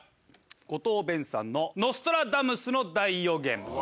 五島勉さんの『ノストラダムスの大予言』です。